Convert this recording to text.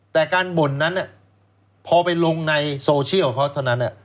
แต่การบ่นนั้นพอไปลงในโซเชียลเขาเท่านั้น